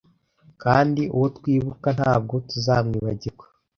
kandi uwo twibuka ntaabwo tuzamwibagirwa